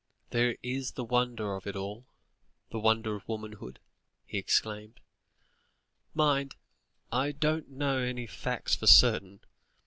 "There is the wonder of it all, the wonder of womanhood," he exclaimed; "mind, I don't know any facts for certain.